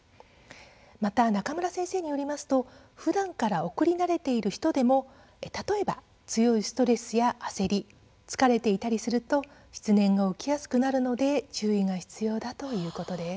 また、中村先生によりますとふだんから送り慣れている人でも例えば、強いストレスや焦り疲れていたりすると失念が起きやすくなるので注意が必要だということです。